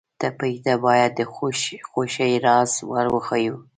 ټپي ته باید د خوښۍ راز ور وښیو.